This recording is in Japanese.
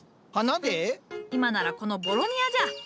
今ならこのボロニアじゃ。